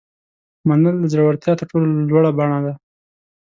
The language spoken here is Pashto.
منل د زړورتیا تر ټولو لوړه بڼه ده.